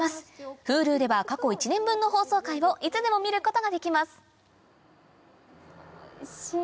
Ｈｕｌｕでは過去１年分の放送回をいつでも見ることができますおいしい。